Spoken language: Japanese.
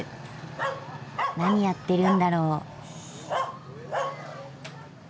何やってるんだろう？